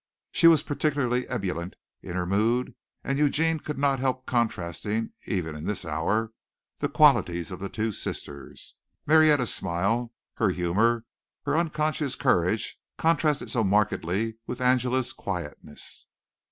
She was particularly ebullient in her mood and Eugene could not help contrasting, even in this hour, the qualities of the two sisters. Marietta's smile, her humor, her unconscious courage, contrasted so markedly with Angela's quietness.